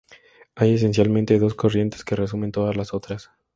Hay esencialmente dos corrientes que resumen todas las otras.